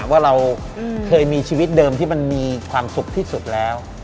ว่าเราเคยมีชีวิตเดิมที่มันมีความสุขที่สุดแล้ว